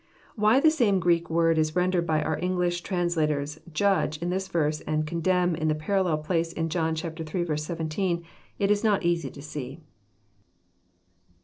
Why the same Greek word is rendered by our English trans lators, ''judge" in this verse, and '' condemn " in the parallel place in John ill. 17, It is not easy to see.